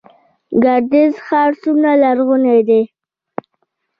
ګردیز ښار څومره لرغونی دی؟